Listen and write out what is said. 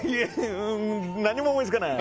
何も思いつかない。